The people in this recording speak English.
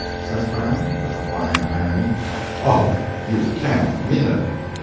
says Brown, with a fine irony; "oh, you can't mean it!"